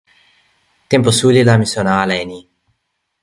tenpo suli la mi sona ala e ni.